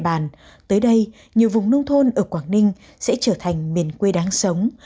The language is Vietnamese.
bàn tới đây nhiều vùng nông thôn ở quảng ninh sẽ trở thành miền quê đáng sống